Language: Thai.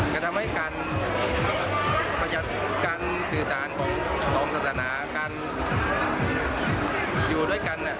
จะทำให้การสื่อสารของสองศาสนาการอยู่ด้วยกัน